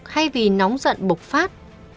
hay vì nóng giận bục phát